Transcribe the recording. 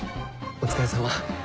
お疲れさま。